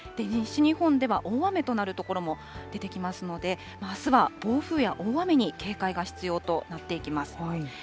西日本では大雨となる所も出てきますので、あすは暴風や大雨に警戒が必要となっていきます。